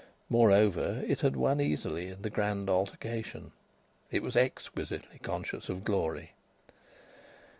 Moreover, it had won easily in the grand altercation. It was exquisitely conscious of glory.